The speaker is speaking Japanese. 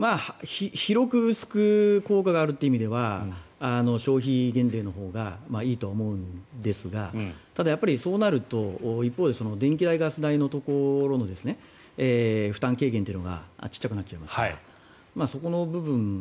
広く薄く効果があるという意味では消費減税のほうがいいと思うんですがただ、やっぱりそうなると一方で電気代、ガス代のところの負担軽減というのが小さくなっちゃいますからそこの部分。